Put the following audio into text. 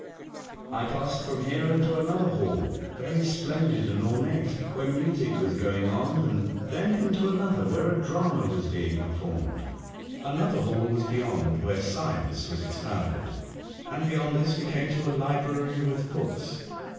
I passed from here into another hall — very splendid and ornate — where music was going on, and then into another, where a drama was being performed. Another hall was beyond, where science was expounded, and beyond this we came to a library with books.